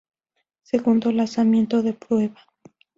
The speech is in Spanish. Segundo lanzamiento de prueba.